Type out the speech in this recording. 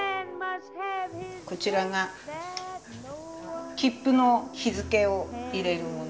こちらが切符の日付を入れるもの。